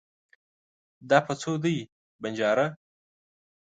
دا په څو دی ؟ بنجاره